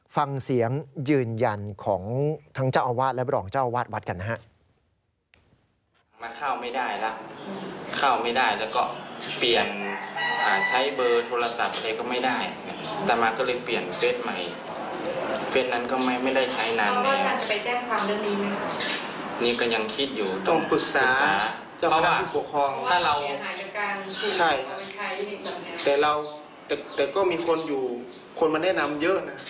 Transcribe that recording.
ฟังเสียงยืนยันของทั้งเจ้าอาวาสและบรองเจ้าวาดวัดกันนะฮะ